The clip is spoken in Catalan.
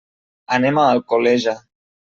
Anem a Alcoleja.